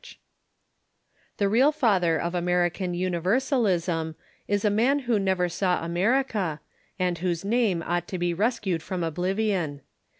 ] The real father of American Universalism is a man who never saw America, and whose name ought to be rescued from oblivion.